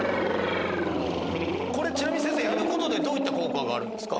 ちなみにやることでどういった効果があるんですか？